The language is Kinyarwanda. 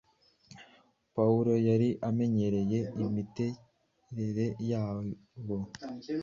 Pawulo yari amenyereye imiterere yabo,